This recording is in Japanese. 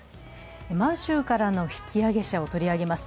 満州からの引き揚げ者を取り上げます。